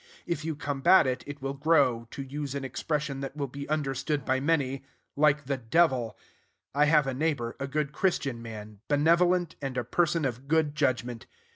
If you combat it, it will grow, to use an expression that will be understood by many, like the devil. I have a neighbor, a good Christian man, benevolent, and a person of good judgment.